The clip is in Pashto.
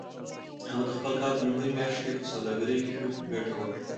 هغه د خپل کار په لومړۍ میاشت کې په سوداګرۍ کې ښه ګټه وکړه.